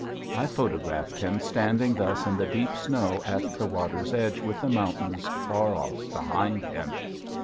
I photographed him standing thus in the deep snow at the water's edge with the mountains far off behind him.